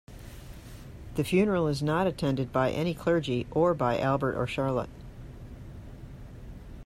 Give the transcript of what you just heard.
The funeral is not attended by any clergy, or by Albert or Charlotte.